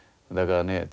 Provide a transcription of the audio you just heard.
だからね